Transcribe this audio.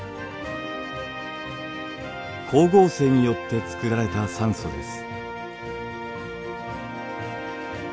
光合成によってつくられた酸素です。